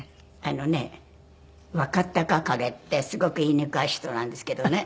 あのね若隆景ってすごく言いにくい人なんですけどね。